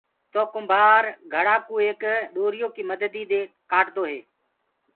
تو ڪُمڀآر گھڙآ ڪو ايڪ ڏوريو ڪيِ مددي دي ڪآٽدو هي۔